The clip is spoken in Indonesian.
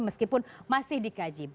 meskipun masih dikendalikan